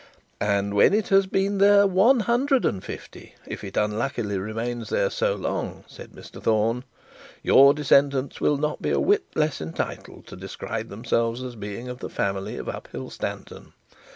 'And when it has been there one hundred and fifty, if it unluckily remain there so long,' said Mr Thorne, 'your descendants will not be a whit the less entitled to describe themselves as being of the family of Uphill Stanton.